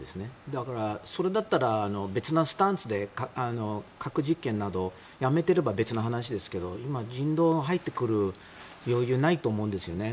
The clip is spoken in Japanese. だからそれだったら別のスタンスで核実験などをやめていれば別の話ですけれど今、人道が入ってくる余裕がないと思うんですね。